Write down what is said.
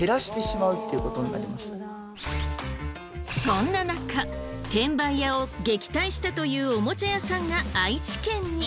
そんな中転売屋を撃退したというおもちゃ屋さんが愛知県に。